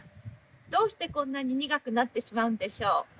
どうしてこんなに苦くなってしまうんでしょう？